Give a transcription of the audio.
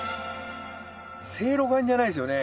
正露丸じゃないですよね？